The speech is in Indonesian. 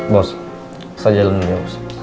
bos saya jalanin ya